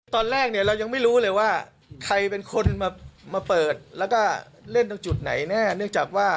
ตอนแรกเนี่ยเรายังไม่รู้เลยว่าใครเป็นคนมาเปิดแล้วก็เล่นทางจุดไหนแน่